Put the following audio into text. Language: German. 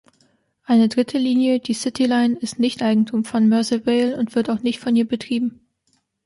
Eine dritte Linie, die City Line, ist nicht Eigentum von Merseyrail und wird auch nicht von ihr betrieben.